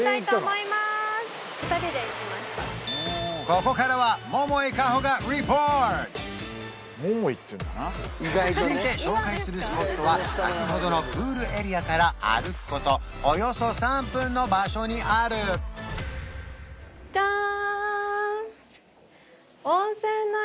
ここからは桃衣香帆がリポート続いて紹介するスポットは先ほどのプールエリアから歩くことおよそ３分の場所にあるジャーン！